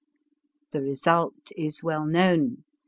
The result is well known.